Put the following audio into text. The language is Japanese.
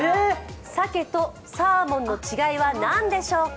鮭とサーモンの違いは何でしょうか？